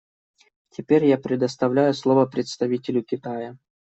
Теперь я предоставляю слово представителю Китая.